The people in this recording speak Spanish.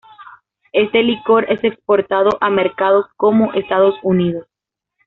Este licor es exportado a mercados como Estados Unidos.